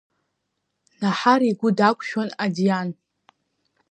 Наҳар игәы дақәшәон Адиан.